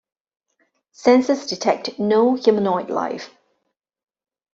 Sensors detect no humanoid life.